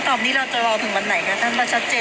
ตอนนี้เราจะรอถึงวันไหนครับถ้าไม่ชัดเจนว่าเราจะได้ชมกัน